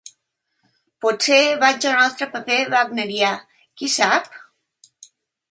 Potser vaig a un altre paper wagnerià: qui sap?